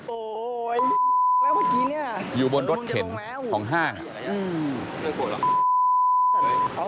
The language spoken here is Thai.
โอ้ยแล้วเมื่อกี้เนี้ยอยู่บนรถเข็นของห้างอืม